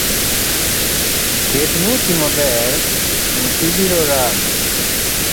Ket nguti maber ,nguti biro Rami.